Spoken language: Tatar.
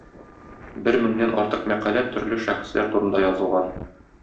Бер меңнән артык мәкалә төрле шәхесләр турында язылган.